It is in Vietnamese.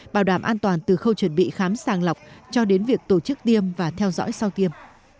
bảo đảm an toàn từ khâu chuẩn bị khám sàng lọc cho đến việc tổ chức tiêm và theo dõi sau tiêm